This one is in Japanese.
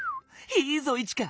いいぞイチカ！